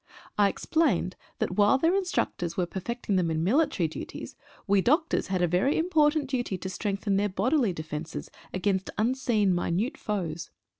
I explained that while their instructors were perfecting them in military duties, we doctors had a very important duty to strengthen their bodily defences against unseen minute foes.